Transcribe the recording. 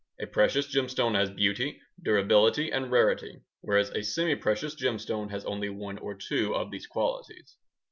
A precious gemstone has beauty, durability, and rarity, whereas a semiprecious gemstone has only one or two of these qualities.